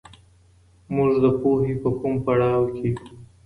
موږ د پوهي په کوم پړاو کي يو؟